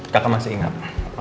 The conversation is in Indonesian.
kakak masih ingat